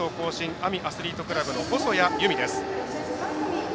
阿見アスリートクラブの細谷優美です。